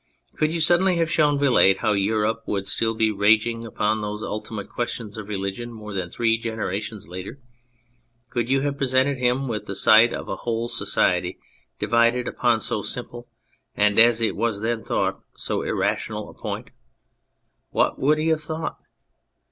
Could you suddenly have shown Vilate how Europe would still be raging upon those ultimate questions of religion more than three generations later ; could you have presented him with the sight of a whole society divided upon so simple and, as it was then thought, so irrational a point what would he have thought